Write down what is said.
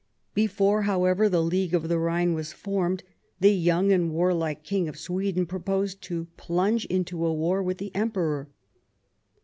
Before, however, the League of the Rhine was formed, the young and warlike King of Sweden proposed to plunge into a war with the Emperor.